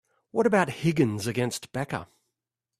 What about Higgins against Becca?